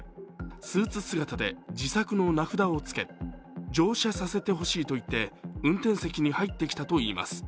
スーツ姿で自作の名札をつけ乗車させてほしいと言って運転席に入ってきたといいます。